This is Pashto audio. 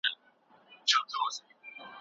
ټولنیز باور د خلکو ترمنځ یووالی رامنځته کوي.